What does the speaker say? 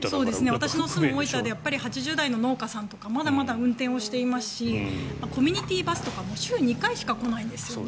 私の住む大分でも８０歳の農家さんとかまだまだ運転をしていますしコミュニティーバスとかも週２回しか来ないんですね。